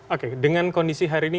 oke dengan kondisi hari ini